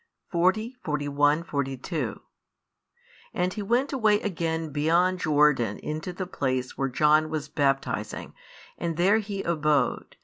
40, 41, 42 And He went away again beyond Jordan into the place where John was baptizing; and there He abode.